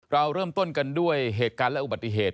เราเริ่มต้นกันด้วยเหตุการณ์และอุบัติเหตุ